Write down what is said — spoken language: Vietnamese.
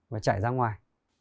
và chảy ra ngoài